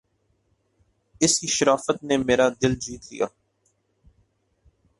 اس کی شرافت نے میرا دل جیت لیا